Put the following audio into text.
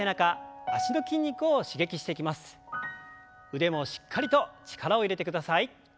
腕もしっかりと力を入れてください。